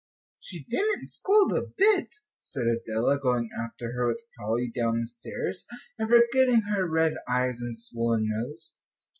"She didn't scold a bit," said Adela, going after her with Polly down the stairs, and forgetting her red eyes and swollen nose.